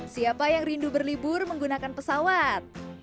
siapa yang rindu berlibur menggunakan pesawat